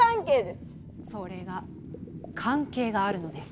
それが関係があるのです。